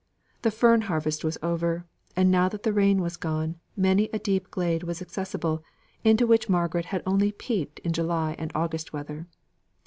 The fern harvest was over; and now that the rain was gone, many a deep glade was accessible, into which Margaret had only peeped in July and August weather.